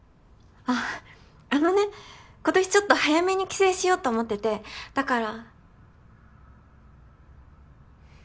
あぁあのね今年ちょっと早めに帰省しようと思っててだから。